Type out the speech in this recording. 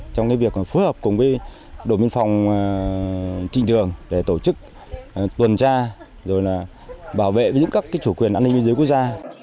trong việc phối hợp cùng với đột biên phòng trịnh tường để tổ chức tuần tra bảo vệ các chủ quyền an ninh biên giới quốc gia